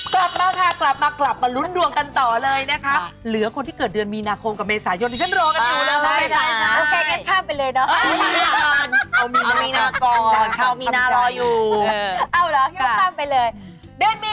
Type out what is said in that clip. กลับมาค่ะกลับมากลับมาลุ้นดวงกันต่อเลยนะคะเหลือคนที่เกิดเดือนมีนาคมกับเมษายนที่ฉันรอกันอยู่นะคะ